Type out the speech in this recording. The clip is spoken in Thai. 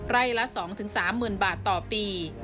ไร่ละ๒๓หมื่นบาทต่อปี